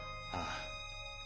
ああ。